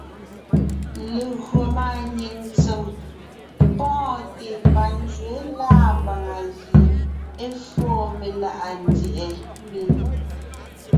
Légÿo máanyìŋ ntsèm pɔ́ɔnte panzwɛ̌ lâ mbàŋa gie é fóo meláʼa ndyɛ̀ʼɛ mbiŋ.